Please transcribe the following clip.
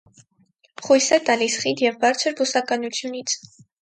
Խույս է տալիս խիտ և բարձր բուսականությունից։